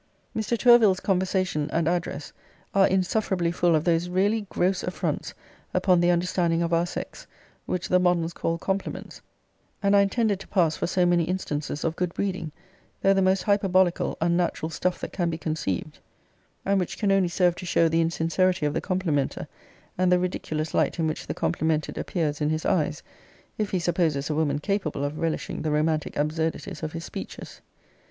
Mr. Tourville's conversation and address are insufferably full of those really gross affronts upon the understanding of our sex, which the moderns call compliments, and are intended to pass for so many instances of good breeding, though the most hyperbolical, unnatural stuff that can be conceived, and which can only serve to show the insincerity of the complimenter, and the ridiculous light in which the complimented appears in his eyes, if he supposes a woman capable of relishing the romantic absurdities of his speeches.